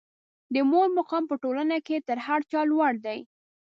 د مور مقام په ټولنه کې تر هر چا لوړ دی.